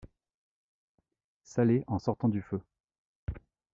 Saler en sortant du feu.